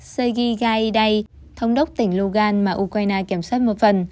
sergei gaidai thống đốc tỉnh lugan mà ukraine kiểm soát một phần